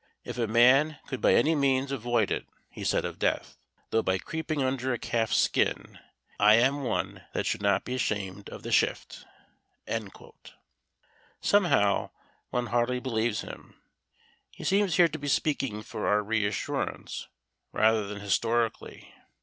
"If a man could by any means avoid it," he said of death, "though by creeping under a calf's skin, I am one that should not be ashamed of the shift." Somehow, one hardly believes him. He seems here to be speaking for our reassurance rather than historically.